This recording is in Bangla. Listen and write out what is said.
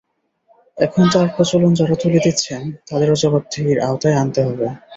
এখন তার প্রচলন যাঁরা তুলে দিচ্ছেন, তাঁদেরও জবাবদিহির আওতায় আনতে হবে।